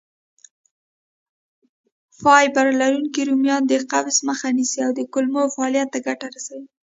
فایبر لرونکي رومیان د قبض مخه نیسي او د کولمو فعالیت ته ګټه رسوي.